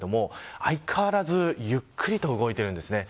相変わらずゆっくりと動いています。